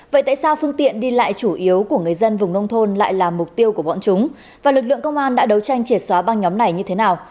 vậy tại sao phương tiện đi lại chủ yếu của người dân vùng nông thôn lại là mục tiêu của bọn chúng và lực lượng công an đã đấu tranh triệt xóa băng nhóm này như thế nào